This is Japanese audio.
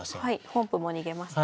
本譜も逃げますね。